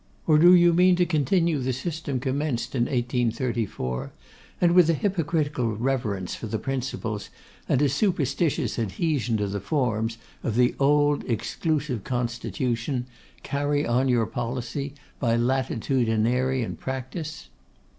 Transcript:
Or, do you mean to continue the system commenced in 1834, and, with a hypocritical reverence for the principles, and a superstitious adhesion to the forms, of the old exclusive constitution, carry on your policy by latitudinarian practice?